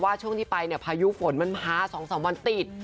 ว่าช่วงที่ไปพายุฝนมันพ้า๒๓วันติด